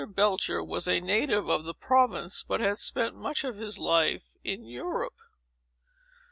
Belcher was a native of the province, but had spent much of his life in Europe.